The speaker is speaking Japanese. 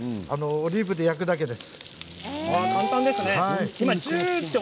オリーブ油で焼くだけです。